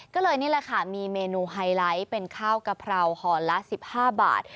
ก็เลยนี่แหละค่ะมีเมนูไฮไลท์เป็นข้าวกะเพราห่อละ๑๕บาท